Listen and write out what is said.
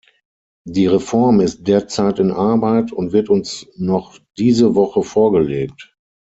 Die Reform ist derzeit in Arbeit und wird uns noch diese Woche vorgelegt.